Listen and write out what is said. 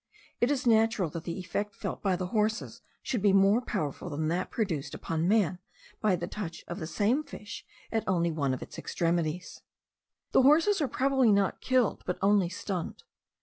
It is natural that the effect felt by the horses should be more powerful than that produced upon man by the touch of the same fish at only one of his extremities. The horses are probably not killed, but only stunned.